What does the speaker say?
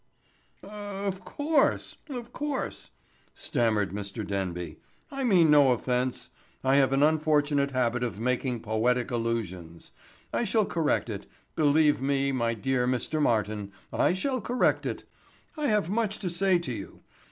"Of course, of course," stammered Mr. Denby. "I meant no offense. I have an unfortunate habit of making poetic allusions. I shall correct it. Believe me, my dear Mr. Martin, I shall correct it. I have much to say to you.